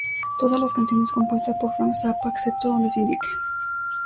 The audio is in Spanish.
Todas las canciones compuestas por Frank Zappa excepto donde se indique.